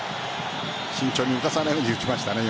慎重に浮かさないように打ちましたね。